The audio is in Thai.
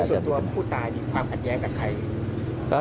ส่วนตัวผู้ตายมีความขัดแย้งกับใคร